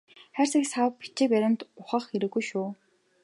Хайрцаг сав бичиг баримт ухах хэрэггүй шүү.